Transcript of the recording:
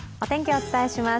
お伝えします。